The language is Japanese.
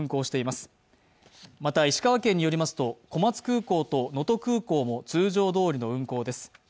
また、石川県によりますと、小松空港と能登空港も通常どおりの運航です。